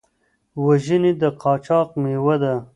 وژنې د قاچاق مېوه ده.